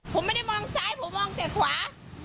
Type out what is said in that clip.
ผมไม่ได้มองซ้ายผมมองแต่ขวา